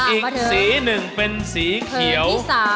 อีกสีหนึ่งเป็นสีเขียว